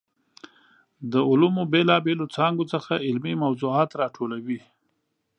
د علومو بېلا بېلو څانګو څخه علمي موضوعات راټولوي.